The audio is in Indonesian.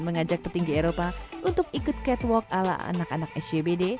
mengajak petinggi eropa untuk ikut catwalk ala anak anak sjbd